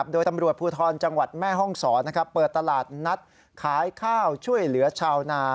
โดยตำรวจภูทรจังหวัดแม่ห้องศรเปิดตลาดนัดขายข้าวช่วยเหลือชาวนา